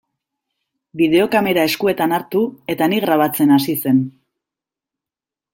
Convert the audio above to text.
Bideokamera eskuetan hartu eta ni grabatzen hasi zen.